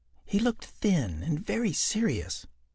He looked thin and very serious.